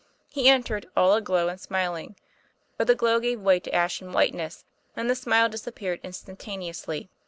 He entered all aglow and smiling, but the glow gave way to ashen whiteness and the smile disappeared instantane ously.